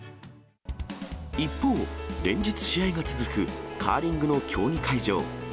一方、連日試合が続くカーリングの競技会場。